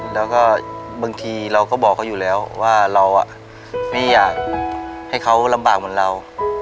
แล้วก็บางทีเราก็บอกเขาอยู่แล้วว่าเราไม่อยากให้เขาลำบากเหมือนเรา